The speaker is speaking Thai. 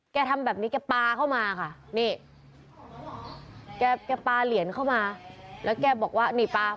ทำแบบนี้แกปลาเข้ามาค่ะนี่แกแกปลาเหรียญเข้ามาแล้วแกบอกว่านี่ปลา